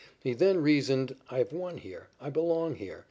He then reasoned I have won here. I belong here.